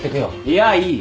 いやいい。